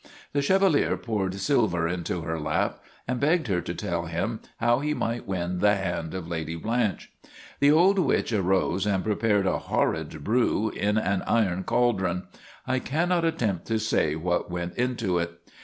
The Chevalier poured silver into her lap and begged her to tell him how he might win the hand of Lady Blanche. The old witch arose and prepared a horrid brew in an iron cauldron. I cannot attempt to say what went into it.